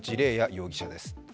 容疑者です。